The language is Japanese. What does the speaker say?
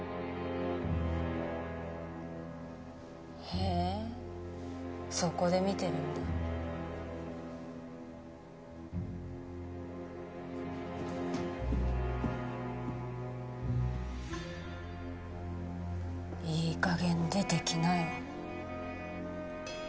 へえそこで見てるんだいいかげん出てきなよ